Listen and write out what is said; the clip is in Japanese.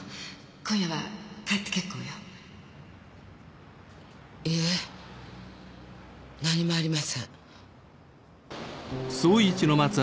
今夜は帰って結構よいいえ何もありません。